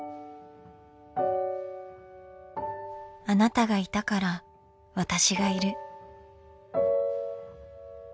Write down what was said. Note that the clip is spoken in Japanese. あなたがいたから私がいる。